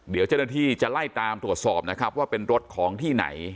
เดี๋ยวเจ้าหน้าที่จะไล่ตามตรวจสอบนะครับว่าเป็นรถของที่ไหน